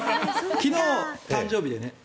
昨日、誕生日でね。